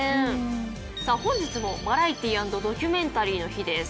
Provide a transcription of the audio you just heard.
さあ本日もバラエティー＆ドキュメンタリーの日です。